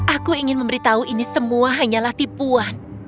aku ingin memberitahu ini semua hanyalah tipuan